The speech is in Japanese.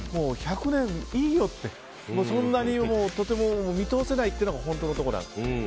１００年、もういいよってそんなに、とても見通せないというのが本当のところです。